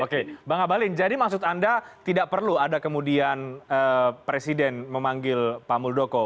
oke bang abalin jadi maksud anda tidak perlu ada kemudian presiden memanggil pak muldoko